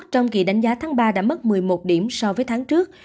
trong kỳ đánh giá tháng ba đã mất một mươi một điểm so với tháng trước